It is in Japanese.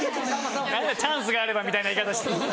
「チャンスがあれば」みたいな言い方。